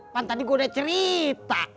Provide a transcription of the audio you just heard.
pan tadi gue udah cerita